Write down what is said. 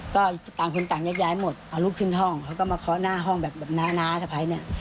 ก็ต่างคนต่างแยกย้ายหมดเอาลูกขึ้นห้องเขาก็มาเคาะหน้าห้องแบบน้าน้าสะพ้ายเนี่ย